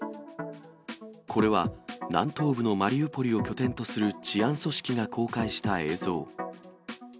これは、南東部のマリウポリを拠点とする治安組織が公開した映像。